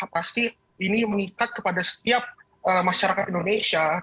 pasti ini mengikat kepada setiap masyarakat indonesia